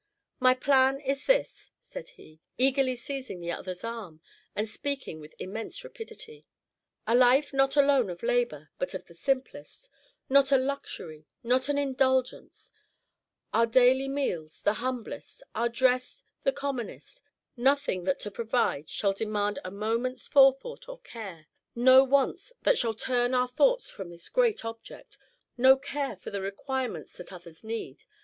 My plan is this," said he, eagerly seizing the other's arm, and speaking with immense rapidity: "A life not alone of labor, but of the simplest; not a luxury, not an indulgence; our daily meals the humblest, our dress the commonest, nothing that to provide shall demand a moment's forethought or care; no wants that shall turn our thoughts from this great object, no care for the requirements that others need.